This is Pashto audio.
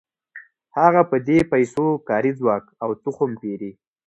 هغه په دې پیسو کاري ځواک او تخم پېري